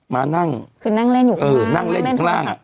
มานั่งคือนั่งเล่นอยู่ข้างล่างแล้วปั๊บนึงก็นอนลงไป